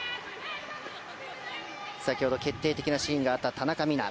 先ほど決定的なシーンがあった田中美南。